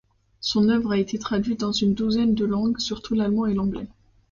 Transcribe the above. Son œuvre a été traduite dans une douzaine de langues, surtout l’allemand et l’anglais.